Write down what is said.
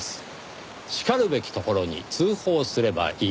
しかるべき所に通報すればいい。